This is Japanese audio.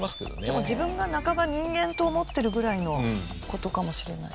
でも自分が半ば人間と思ってるぐらいの事かもしれないですね。